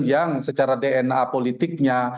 yang secara dna politiknya